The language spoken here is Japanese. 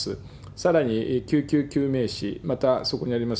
さらに救急救命士、また、そこにあります